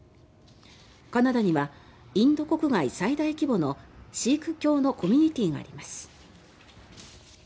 カナダにはインド国外最大規模のシーク教のコミュニティーがあります。